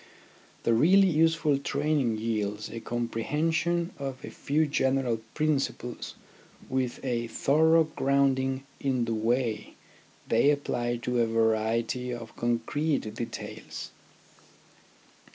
The really useful training yields a comprehension of a few general principles with a thorough grounding in the way they apply to a variety of concrete details.